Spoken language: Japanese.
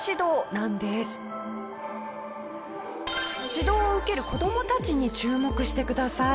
指導を受ける子どもたちに注目してください。